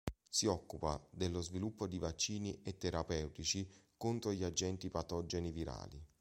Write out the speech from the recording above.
Si occupa dello sviluppo di vaccini e terapeutici contro gli agenti patogeni virali.